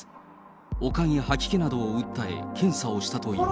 悪寒や吐き気などを訴え検査をしたという。